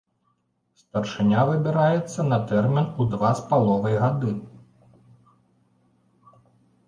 Старшыня выбіраецца на тэрмін у два з паловай гады.